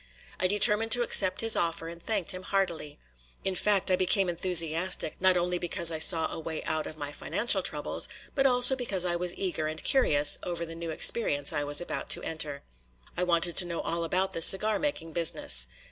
I determined to accept his offer and thanked him heartily. In fact, I became enthusiastic, not only because I saw a way out of my financial troubles, but also because I was eager and curious over the new experience I was about to enter. I wanted to know all about the cigar making business.